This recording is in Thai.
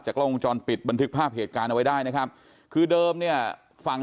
กล้องวงจรปิดบันทึกภาพเหตุการณ์เอาไว้ได้นะครับคือเดิมเนี่ยฝั่ง